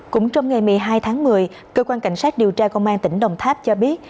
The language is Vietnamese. cũng trong ngày một mươi hai tháng một mươi cơ quan cảnh sát điều tra công an tỉnh đồng tháp cho biết